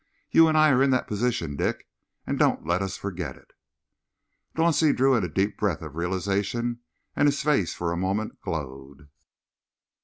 You and I are in that position, Dick, and don't let us forget it." Dauncey drew in a deep breath of realisation, and his face for a moment glowed.